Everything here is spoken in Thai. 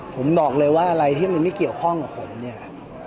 ผมบอกเลยว่าอะไรที่มันไม่เกี่ยวข้องกับผมเนี่ย